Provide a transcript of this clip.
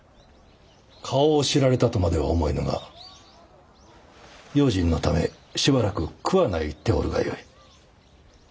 顔を知られたとまでは思えぬが用心のためしばらく桑名へ行っておるがよい。